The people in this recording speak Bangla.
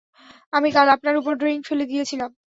আমি কাল আপনার উপর ড্রিংক ফেলে দিয়েছিলাম।